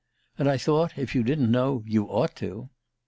And I thought, if you didn't know, you ought to."